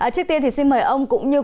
trước tiên thì xin mời ông cũng như quý vị